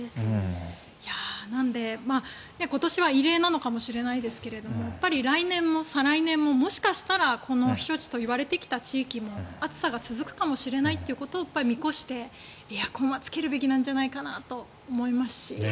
今年は異例なのかもしれないですがやっぱり来年も再来年ももしかしたら避暑地といわれてきた地域も暑さが続くかもしれないということを見越してエアコンはつけるべきなんじゃないかなと思いますし。